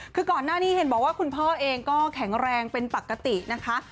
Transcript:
คือก่อนหน้านี้เห็นบอกว่าคุณพ่อเองก็แข็งแรงเป็นปกตินะคะ